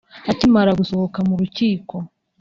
Akimara gusohoka mu rukiko